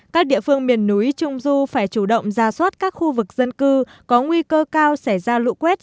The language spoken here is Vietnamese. các địa phương miền núi trung du phải chủ động ra soát các khu vực dân cư có nguy cơ cao xảy ra lũ quét